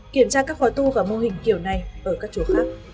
kiểm tra các khóa tu và mô hình kiểu này ở các chùa khác